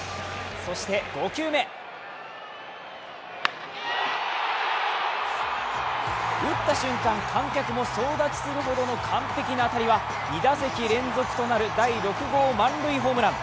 そして５球目打った瞬間、観客も総立ちするほどの完璧の当たりは２打席連続となる第６号満塁ホームラン。